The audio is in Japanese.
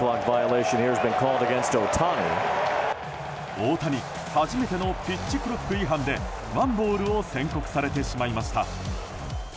大谷初めてのピッチクロック違反でワンボールを宣告されてしまいました。